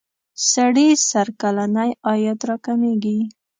سړي سر کلنی عاید را کمیږی.